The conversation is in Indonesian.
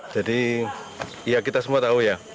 jadi ya kita semua tahu ya